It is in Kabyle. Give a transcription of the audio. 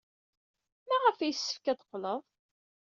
Maɣef ay yessefk ad teqqled?